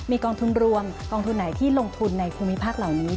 มีกองทุนรวมกองทุนไหนที่ลงทุนในภูมิภาคเหล่านี้